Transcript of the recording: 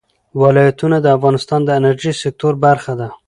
ولایتونه د افغانستان د انرژۍ سکتور برخه ده.